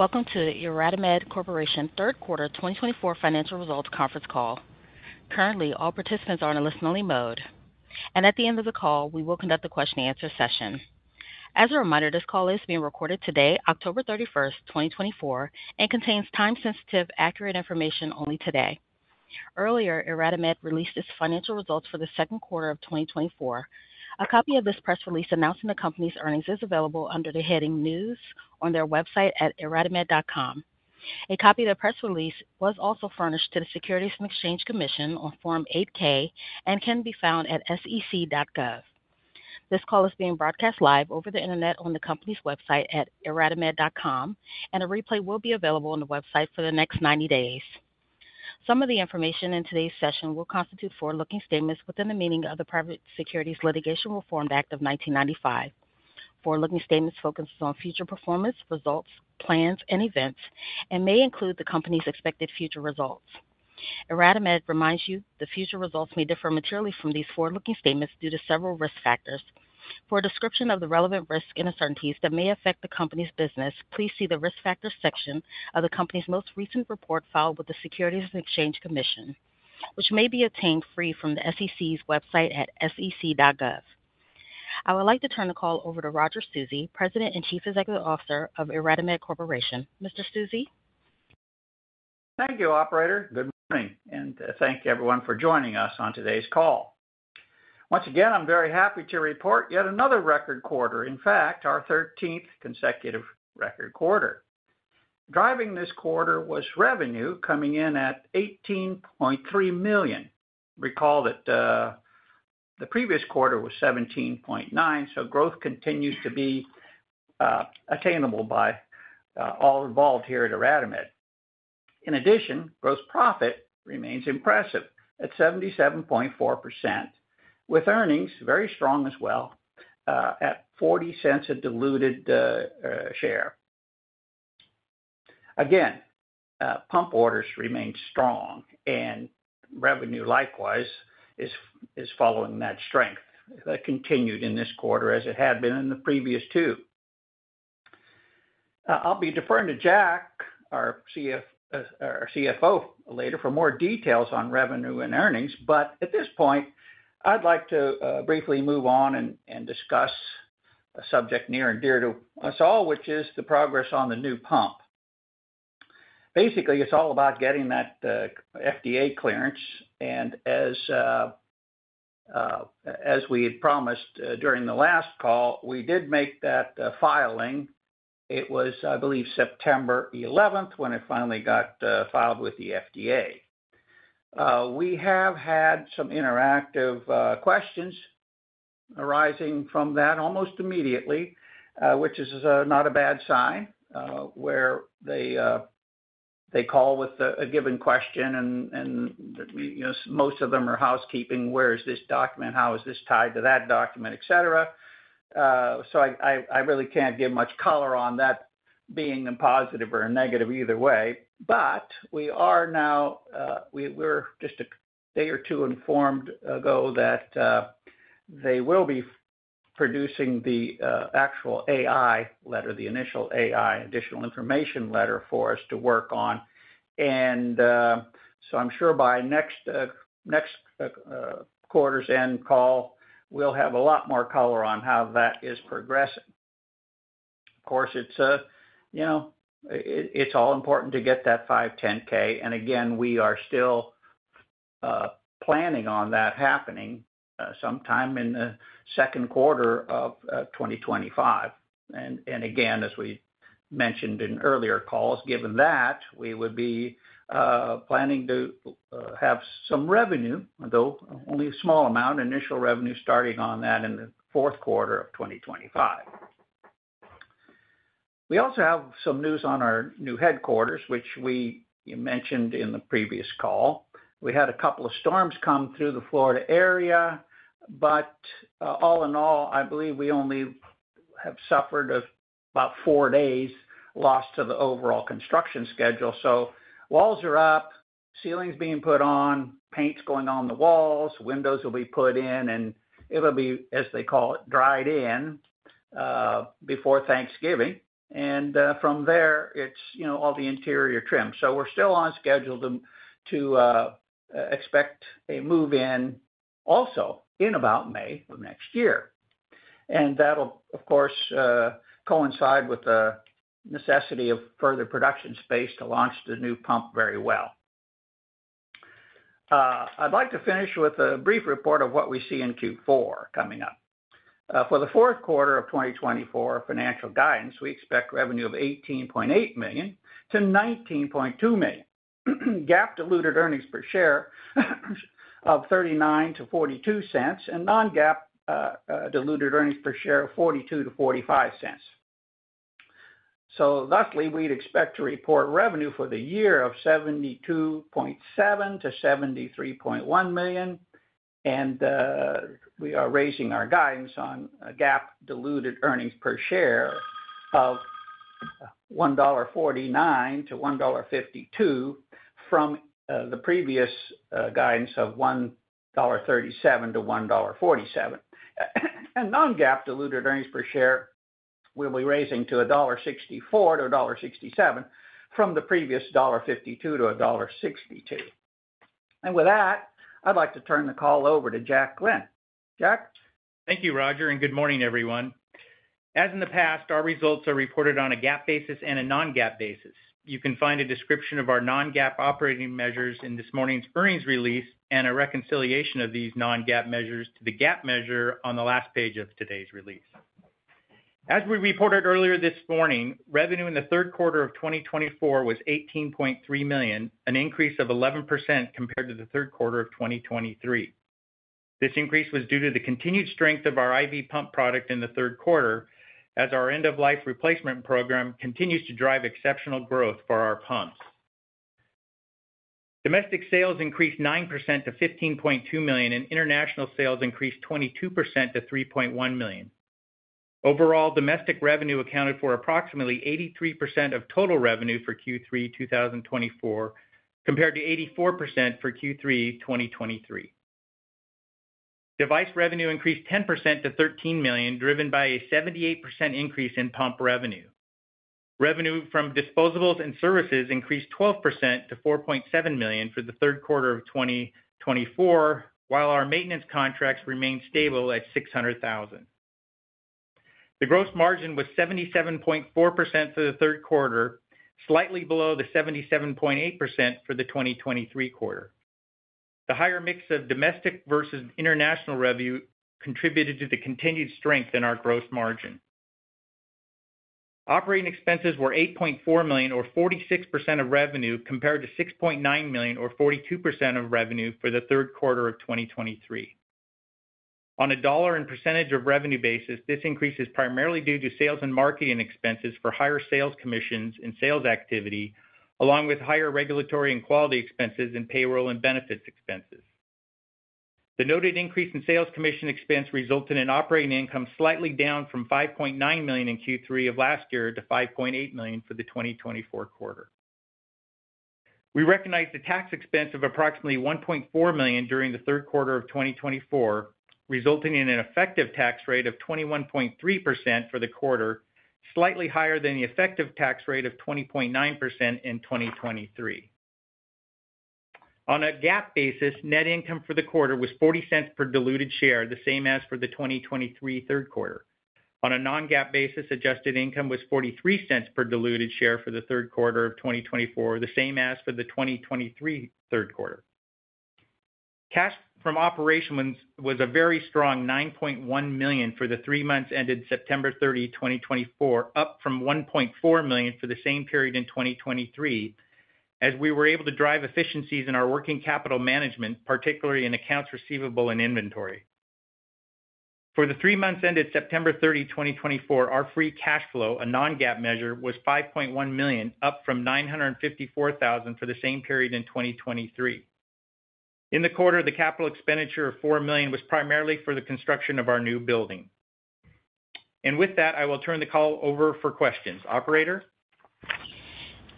Welcome to the IRadimed Corporation Third Quarter 2024 Financial Results Conference Call. Currently, all participants are in a listen-only mode. At the end of the call, we will conduct a question-and-answer session. As a reminder, this call is being recorded today, October 31st, 2024, and contains time-sensitive, accurate information only today. Earlier, IRadimed released its financial results for the second quarter of 2024. A copy of this press release announcing the company's earnings is available under the heading News on their website at iradimed.com. A copy of the press release was also furnished to the Securities and Exchange Commission on Form 8-K and can be found at sec.gov. This call is being broadcast live over the internet on the company's website at iradimed.com, and a replay will be available on the website for the next 90 days. Some of the information in today's session will constitute forward-looking statements within the meaning of the Private Securities Litigation Reform Act of 1995. Forward-looking statements focus on future performance, results, plans, and events, and may include the company's expected future results. IRadimed reminds you the future results may differ materially from these forward-looking statements due to several risk factors. For a description of the relevant risks and uncertainties that may affect the company's business, please see the risk factors section of the company's most recent report filed with the Securities and Exchange Commission, which may be obtained free from the SEC's website at sec.gov. I would like to turn the call over to Roger Susi, President and Chief Executive Officer of IRadimed Corporation. Mr. Susi. Thank you, Operator. Good morning, and thank everyone for joining us on today's call. Once again, I'm very happy to report yet another record quarter, in fact, our 13th consecutive record quarter. Driving this quarter was revenue coming in at $18.3 million. Recall that the previous quarter was $17.9 million, so growth continues to be attainable by all involved here at IRadimed. In addition, gross profit remains impressive at 77.4%, with earnings very strong as well at $0.40 a diluted share. Again, pump orders remain strong, and revenue likewise is following that strength that continued in this quarter as it had been in the previous two. I'll be deferring to Jack, our CFO, later for more details on revenue and earnings, but at this point, I'd like to briefly move on and discuss a subject near and dear to us all, which is the progress on the new pump. Basically, it's all about getting that FDA clearance, and as we had promised during the last call, we did make that filing. It was, I believe, September 11th when it finally got filed with the FDA. We have had some interactive questions arising from that almost immediately, which is not a bad sign, where they call with a given question, and most of them are housekeeping. Where is this document? How is this tied to that document? Etc. So I really can't give much color on that being a positive or a negative either way, but we were just a day or two ago informed that they will be producing the actual AI letter, the initial AI additional information letter for us to work on, and so I'm sure by next quarter's end call, we'll have a lot more color on how that is progressing. Of course, it's all important to get that 510(k), and again, we are still planning on that happening sometime in the second quarter of 2025, and again, as we mentioned in earlier calls, given that, we would be planning to have some revenue, though only a small amount, initial revenue starting on that in the fourth quarter of 2025. We also have some news on our new headquarters, which we mentioned in the previous call. We had a couple of storms come through the Florida area, but all in all, I believe we only have suffered about four days lost to the overall construction schedule, so walls are up, ceilings being put on, paint's going on the walls, windows will be put in, and it'll be, as they call it, dried in before Thanksgiving, and from there, it's all the interior trim. So we're still on schedule to expect a move-in also in about May of next year. And that'll, of course, coincide with the necessity of further production space to launch the new pump very well. I'd like to finish with a brief report of what we see in Q4 coming up. For the fourth quarter of 2024 financial guidance, we expect revenue of $18.8 million-$19.2 million, GAAP diluted earnings per share of $0.39-$0.42, and non-GAAP diluted earnings per share of $0.42-$0.45. So thusly, we'd expect to report revenue for the year of $72.7 million-$73.1 million, and we are raising our guidance on GAAP diluted earnings per share of $1.49-$1.52 from the previous guidance of $1.37-$1.47. And non-GAAP diluted earnings per share will be raising to $1.64-$1.67 from the previous $1.52-$1.62. And with that, I'd like to turn the call over to Jack Glenn. Jack. Thank you, Roger, and good morning, everyone. As in the past, our results are reported on a GAAP basis and a non-GAAP basis. You can find a description of our non-GAAP operating measures in this morning's earnings release and a reconciliation of these non-GAAP measures to the GAAP measure on the last page of today's release. As we reported earlier this morning, revenue in the third quarter of 2024 was $18.3 million, an increase of 11% compared to the third quarter of 2023. This increase was due to the continued strength of our IV pump product in the third quarter, as our end-of-life replacement program continues to drive exceptional growth for our pumps. Domestic sales increased 9% to $15.2 million, and international sales increased 22% to $3.1 million. Overall, domestic revenue accounted for approximately 83% of total revenue for Q3 2024, compared to 84% for Q3 2023. Device revenue increased 10% to $13 million, driven by a 78% increase in pump revenue. Revenue from disposables and services increased 12% to $4.7 million for the third quarter of 2024, while our maintenance contracts remained stable at $600,000. The gross margin was 77.4% for the third quarter, slightly below the 77.8% for the 2023 quarter. The higher mix of domestic versus international revenue contributed to the continued strength in our gross margin. Operating expenses were $8.4 million, or 46% of revenue, compared to $6.9 million, or 42% of revenue for the third quarter of 2023. On a dollar and percentage of revenue basis, this increase is primarily due to sales and marketing expenses for higher sales commissions and sales activity, along with higher regulatory and quality expenses and payroll and benefits expenses. The noted increase in sales commission expense resulted in operating income slightly down from $5.9 million in Q3 of last year to $5.8 million for the 2024 quarter. We recognize the tax expense of approximately $1.4 million during the third quarter of 2024, resulting in an effective tax rate of 21.3% for the quarter, slightly higher than the effective tax rate of 20.9% in 2023. On a GAAP basis, net income for the quarter was $0.40 per diluted share, the same as for the 2023 third quarter. On a non-GAAP basis, adjusted income was $0.43 per diluted share for the third quarter of 2024, the same as for the 2023 third quarter. Cash from operations was a very strong $9.1 million for the three months ended September 30, 2024, up from $1.4 million for the same period in 2023, as we were able to drive efficiencies in our working capital management, particularly in accounts receivable and inventory. For the three months ended September 30, 2024, our free cash flow, a non-GAAP measure, was $5.1 million, up from $954,000 for the same period in 2023. In the quarter, the capital expenditure of $4 million was primarily for the construction of our new building. With that, I will turn the call over for questions. Operator.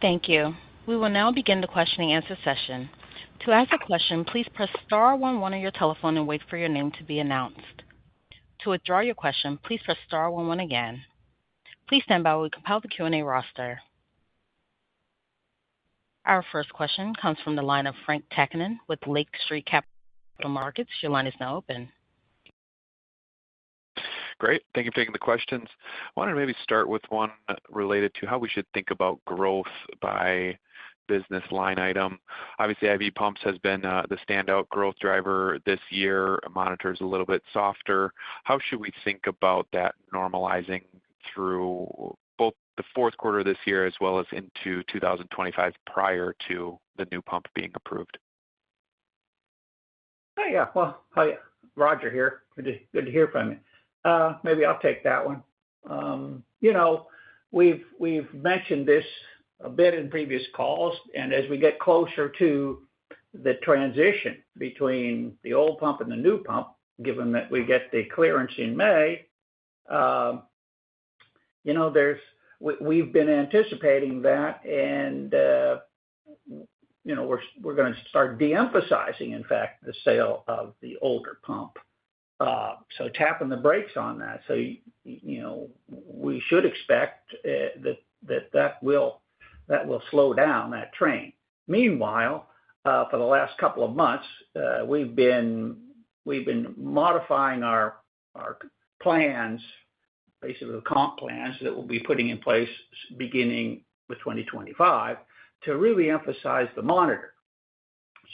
Thank you. We will now begin the question-and-answer session. To ask a question, please press star one on your telephone and wait for your name to be announced. To withdraw your question, please press star one again. Please stand by while we compile the Q&A roster. Our first question comes from the line of Frank Takkinen with Lake Street Capital Markets. Your line is now open. Great. Thank you for taking the questions. I wanted to maybe start with one related to how we should think about growth by business line item. Obviously, IV pumps has been the standout growth driver this year. Monitors a little bit softer. How should we think about that normalizing through both the fourth quarter of this year as well as into 2025 prior to the new pump being approved? Hey, yeah. Well, hi, Roger here. Good to hear from you. Maybe I'll take that one. We've mentioned this a bit in previous calls, and as we get closer to the transition between the old pump and the new pump, given that we get the clearance in May, we've been anticipating that, and we're going to start de-emphasizing, in fact, the sale of the older pump. So tapping the brakes on that. So we should expect that that will slow down that train. Meanwhile, for the last couple of months, we've been modifying our plans, basically the comp plans that we'll be putting in place beginning with 2025, to really emphasize the monitor.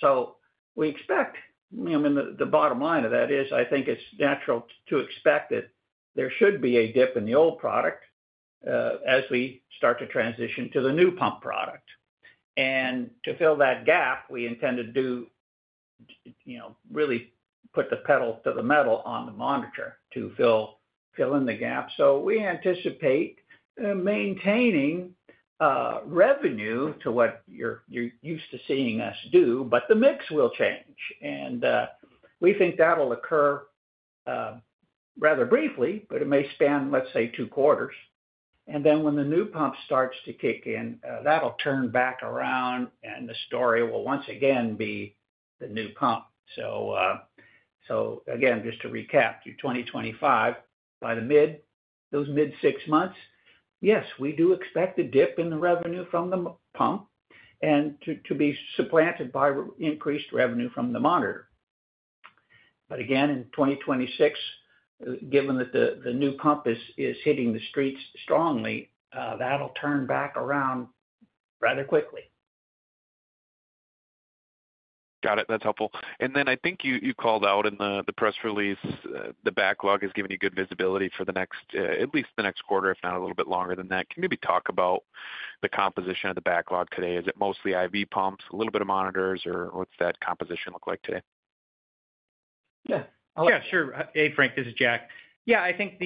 So we expect, I mean, the bottom line of that is, I think it's natural to expect that there should be a dip in the old product as we start to transition to the new pump product. And to fill that gap, we intend to really put the pedal to the metal on the monitor to fill in the gap. So we anticipate maintaining revenue to what you're used to seeing us do, but the mix will change. And we think that'll occur rather briefly, but it may span, let's say, two quarters. And then when the new pump starts to kick in, that'll turn back around, and the story will once again be the new pump. So again, just to recap, 2025, by the mid, those mid six months, yes, we do expect a dip in the revenue from the pump and to be supplanted by increased revenue from the monitor. But again, in 2026, given that the new pump is hitting the streets strongly, that'll turn back around rather quickly. Got it. That's helpful. And then I think you called out in the press release, the backlog has given you good visibility for the next, at least the next quarter, if not a little bit longer than that. Can you maybe talk about the composition of the backlog today? Is it mostly IV pumps, a little bit of monitors, or what's that composition look like today? Yeah. Yeah, sure. Hey, Frank, this is Jack. Yeah, I think,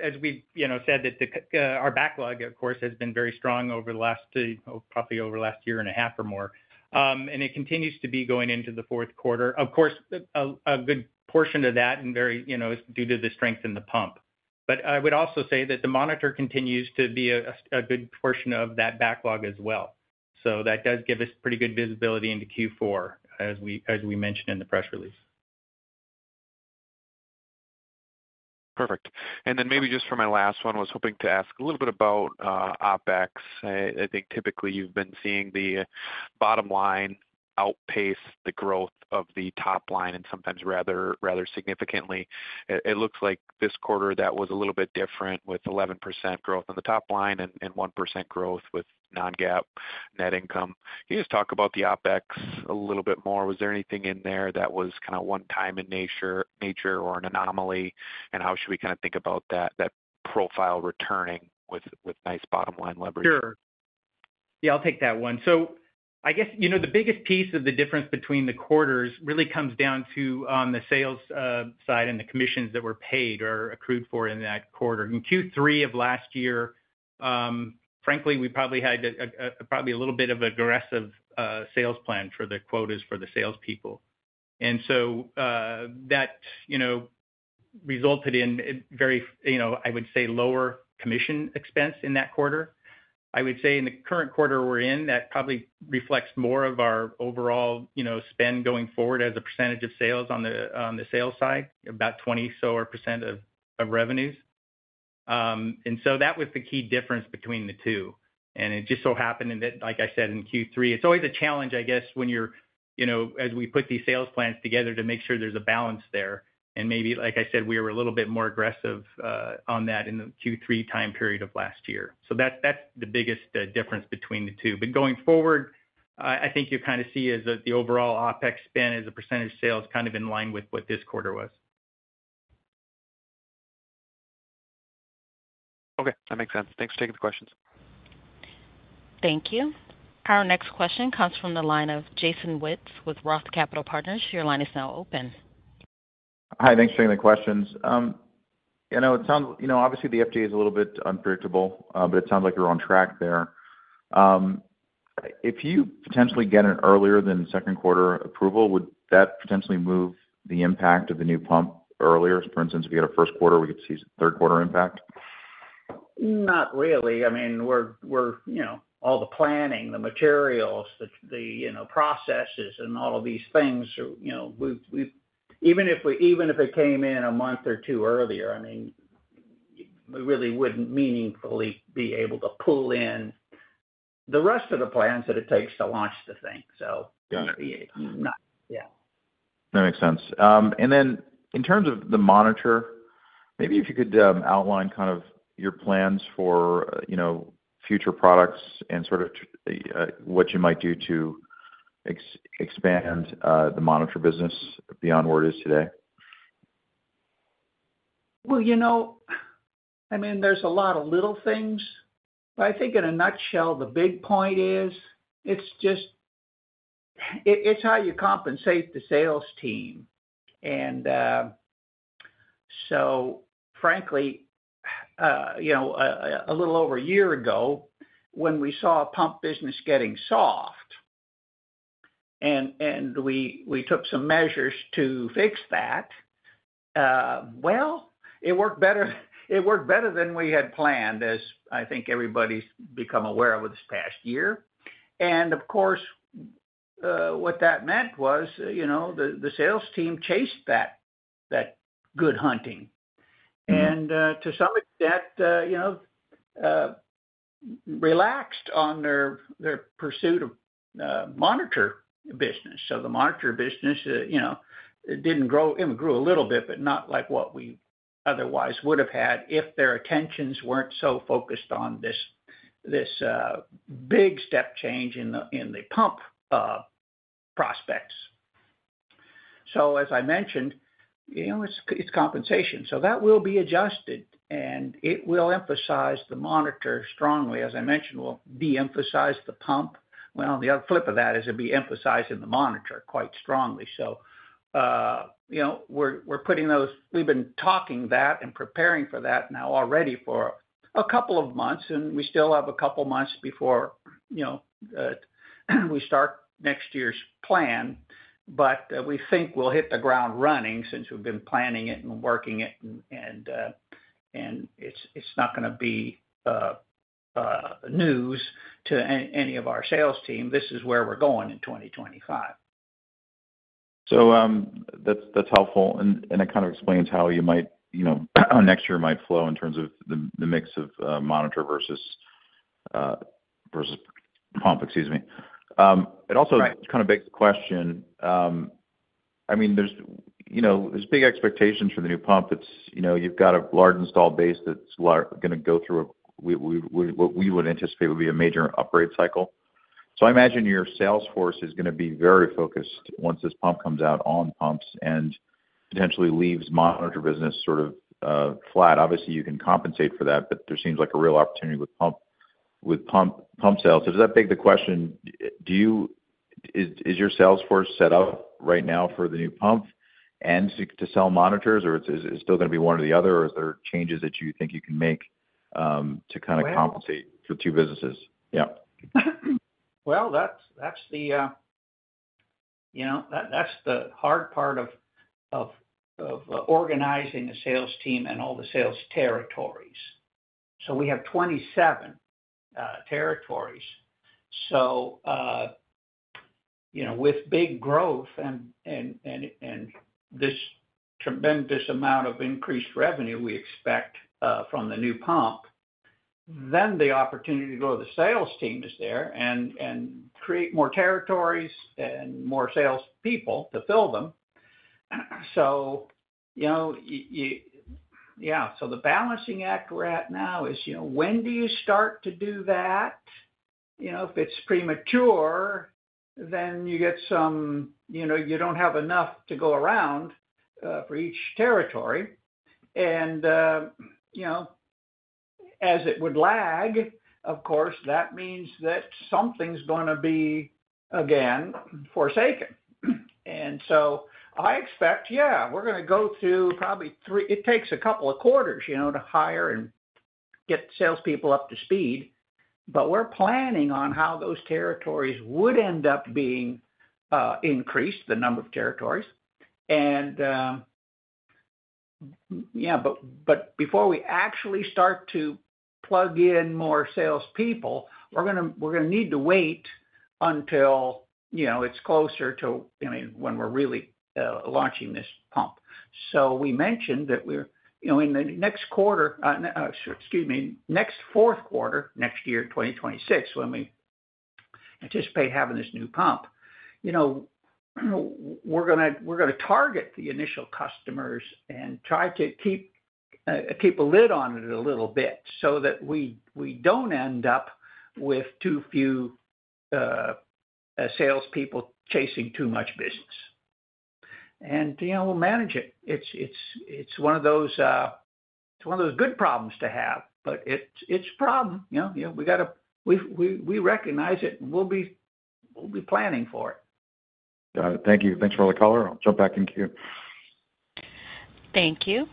as we've said, that our backlog, of course, has been very strong over the last, probably over the last year and a half or more, and it continues to be going into the fourth quarter. Of course, a good portion of that is due to the strength in the pump. But I would also say that the monitor continues to be a good portion of that backlog as well. So that does give us pretty good visibility into Q4, as we mentioned in the press release. Perfect. And then maybe just for my last one, I was hoping to ask a little bit about OpEx. I think typically you've been seeing the bottom line outpace the growth of the top line and sometimes rather significantly. It looks like this quarter that was a little bit different with 11% growth in the top line and 1% growth with non-GAAP net income. Can you just talk about the OpEx a little bit more? Was there anything in there that was kind of one-time in nature or an anomaly, and how should we kind of think about that profile returning with nice bottom line leverage? Sure. Yeah, I'll take that one. So I guess the biggest piece of the difference between the quarters really comes down to on the sales side and the commissions that were paid or accrued for in that quarter. In Q3 of last year, frankly, we probably had a little bit of an aggressive sales plan for the quotas for the salespeople. And so that resulted in very, I would say, lower commission expense in that quarter. I would say in the current quarter we're in, that probably reflects more of our overall spend going forward as a percentage of sales on the sales side, about 20 or so percent of revenues. And so that was the key difference between the two. It just so happened that, like I said, in Q3, it's always a challenge, I guess, when you're, as we put these sales plans together to make sure there's a balance there. Maybe, like I said, we were a little bit more aggressive on that in the Q3 time period of last year. That's the biggest difference between the two. Going forward, I think you kind of see as the overall OpEx spend as a percentage of sales kind of in line with what this quarter was. Okay. That makes sense. Thanks for taking the questions. Thank you. Our next question comes from the line of Jason Wittes with Roth Capital Partners. Your line is now open. Hi. Thanks for taking the questions. It sounds obviously the FDA is a little bit unpredictable, but it sounds like you're on track there. If you potentially get an earlier than second quarter approval, would that potentially move the impact of the new pump earlier? For instance, if we had a first quarter, we could see third quarter impact? Not really. I mean, all the planning, the materials, the processes, and all of these things, even if it came in a month or two earlier, I mean, we really wouldn't meaningfully be able to pull in the rest of the plans that it takes to launch the thing. So yeah. That makes sense. And then in terms of the monitor, maybe if you could outline kind of your plans for future products and sort of what you might do to expand the monitor business beyond where it is today. Well, I mean, there's a lot of little things. But I think in a nutshell, the big point is it's how you compensate the sales team. And so frankly, a little over a year ago, when we saw pump business getting soft and we took some measures to fix that, well, it worked better than we had planned, as I think everybody's become aware of this past year. And of course, what that meant was the sales team chased that good hunting and to some extent relaxed on their pursuit of monitor business. So the monitor business didn't grow. It grew a little bit, but not like what we otherwise would have had if their attentions weren't so focused on this big step change in the pump prospects. So as I mentioned, it's compensation. So that will be adjusted, and it will emphasize the monitor strongly. As I mentioned, we'll de-emphasize the pump. Well, on the flip of that, it'll be emphasized in the monitor quite strongly. So we're putting those, we've been talking that and preparing for that now already for a couple of months, and we still have a couple of months before we start next year's plan. But we think we'll hit the ground running since we've been planning it and working it, and it's not going to be news to any of our sales team. This is where we're going in 2025. So that's helpful, and it kind of explains how you might, next year might flow in terms of the mix of monitor versus pump, excuse me. It also kind of begs the question, I mean, there's big expectations for the new pump. You've got a large installed base that's going to go through what we would anticipate would be a major upgrade cycle. So I imagine your sales force is going to be very focused once this pump comes out on pumps and potentially leaves monitor business sort of flat. Obviously, you can compensate for that, but there seems like a real opportunity with pump sales. Does that beg the question: is your sales force set up right now for the new pump and to sell monitors, or is it still going to be one or the other, or are there changes that you think you can make to kind of compensate for two businesses? Yeah. That's the hard part of organizing the sales team and all the sales territories. We have 27 territories. With big growth and this tremendous amount of increased revenue we expect from the new pump, then the opportunity to grow the sales team is there and create more territories and more salespeople to fill them. Yeah. The balancing act right now is when do you start to do that? If it's premature, then you get some. You don't have enough to go around for each territory. As it would lag, of course, that means that something's going to be again forsaken. I expect, yeah, we're going to go through probably three. It takes a couple of quarters to hire and get salespeople up to speed. We're planning on how those territories would end up being increased, the number of territories. And yeah, but before we actually start to plug in more salespeople, we're going to need to wait until it's closer to, I mean, when we're really launching this pump. So we mentioned that we're in the next quarter, excuse me, next fourth quarter next year, 2026, when we anticipate having this new pump, we're going to target the initial customers and try to keep a lid on it a little bit so that we don't end up with too few salespeople chasing too much business. And we'll manage it. It's one of those, it's one of those good problems to have, but it's a problem. We recognize it, and we'll be planning for it. Got it. Thank you. Thanks for the caller. I'll jump back in queue. Thank you.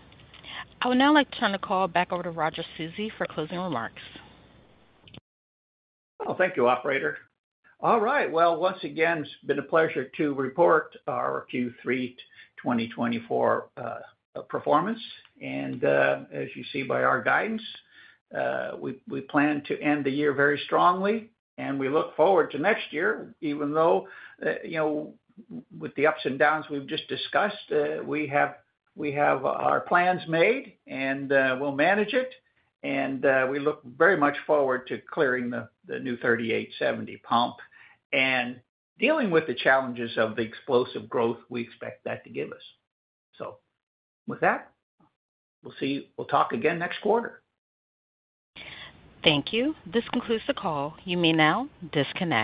I would now like to turn the call back over to Roger Susi for closing remarks. Oh, thank you, operator. All right. Well, once again, it's been a pleasure to report our Q3 2024 performance. And as you see by our guidance, we plan to end the year very strongly, and we look forward to next year, even though with the ups and downs we've just discussed, we have our plans made, and we'll manage it. And we look very much forward to clearing the new 3870 pump and dealing with the challenges of the explosive growth we expect that to give us. So with that, we'll talk again next quarter. Thank you. This concludes the call. You may now disconnect.